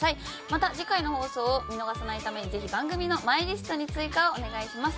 また次回の放送を見逃さないためにぜひ番組のマイリストに追加をお願いします。